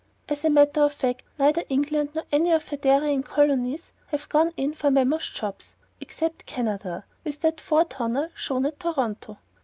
As a matter of fact, neither England nor any of her great dairying colonies have gone in for mammoth jobs, except Canada, with that four tonner shown at Toronto.